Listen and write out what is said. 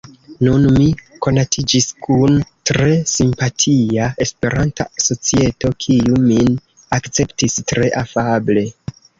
Nun mi konatiĝis kun tre simpatia esperanta societo, kiu min akceptis tre afable.